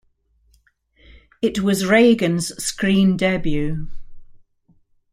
It was Reagan's screen debut.